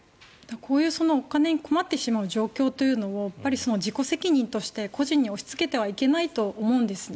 こういう、お金に困ってしまう状況というのを自己責任として個人に押しつけてはいけないと思うんですね。